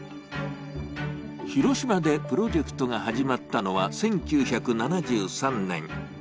広島でプロジェクトが始まったのは１９７３年。